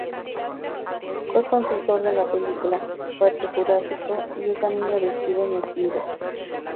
Fue consultor de la película "Parque Jurásico" y es amigo de Steven Spielberg.